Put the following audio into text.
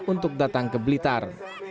untuk datang ke blitar